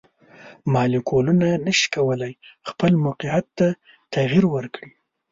مالیکولونه نشي کولی خپل موقیعت ته تغیر ورکړي.